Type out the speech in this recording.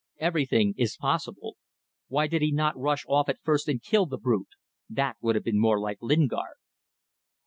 Everything is possible: why did he not rush off at first and kill the brute? That would have been more like Lingard.